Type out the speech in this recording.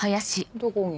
どこに？